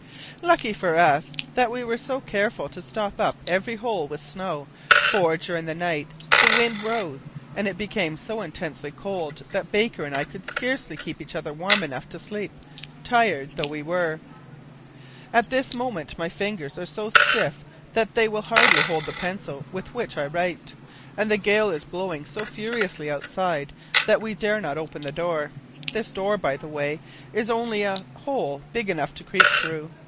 "Lucky for us that we were so careful to stop up every hole with snow, for, during the night the wind rose and it became so intensely cold that Baker and I could scarcely keep each other warm enough to sleep, tired though we were. At this moment my fingers are so stiff that they will hardly hold the pencil with which I write, and the gale is blowing so furiously outside that we dare not open the door. This door, by the way, is only a hole big enough to creep through.